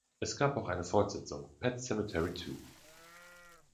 Es gab auch eine Fortsetzung, „Pet Sematary Two“.